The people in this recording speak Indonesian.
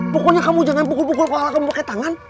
pokoknya kamu jangan pukul kepala kamu pakai tangan